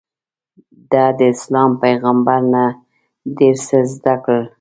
ده داسلام پیغمبر نه ډېر څه زده کړل.